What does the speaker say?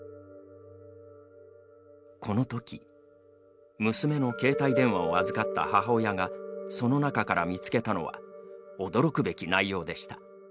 このとき娘の携帯電話を預かった母親がその中から見つけたのは驚くべき内容でした。